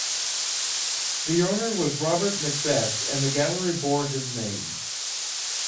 The owner was Robert Macbeth and the gallery bore his name.